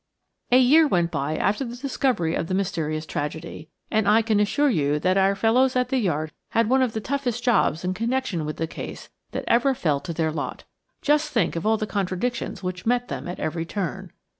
4 A YEAR went by after the discovery of the mysterious tragedy, and I can assure you that our fellows at the Yard had one of the toughest jobs in connection with the case that ever fell to their lot. Just think of all the contradictions which met them at every turn.